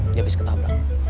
dia habis ketabrak